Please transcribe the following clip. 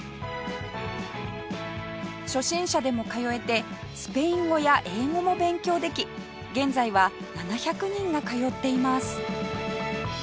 初心者でも通えてスペイン語や英語も勉強でき現在は７００人が通っています